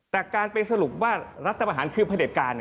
แต่การไปสรุปว่ารัฐประหารคือพระเด็จการ